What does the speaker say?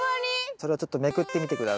それをちょっとめくってみて下さい。